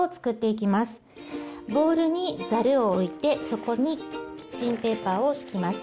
ボウルにざるを置いてそこにキッチンペーパーを敷きます。